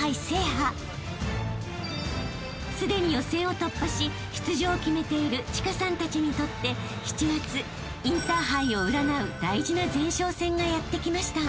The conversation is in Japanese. ［すでに予選を突破し出場を決めている千佳さんたちにとって７月インターハイを占う大事な前哨戦がやって来ました］